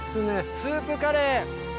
スープカレー。